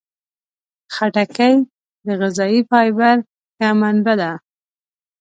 خټکی د غذايي فایبر ښه منبع ده.